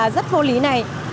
rất vô lý này